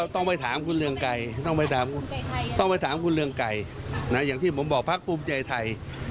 ต้องไปถามคุณเรื่องไก่นะอย่างที่ผมบอกพักภูมิใจไทย